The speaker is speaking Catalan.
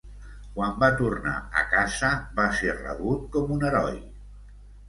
Quan va tornar a casa, va ser rebut com un heroi.